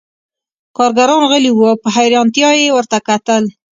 کارګران غلي وو او په حیرانتیا یې ورته کتل